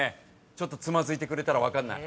ちょっとつまずいてくれたら分かんない。